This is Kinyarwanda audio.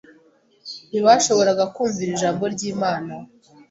Ntibashoboraga kumvira ijambo ry’Imana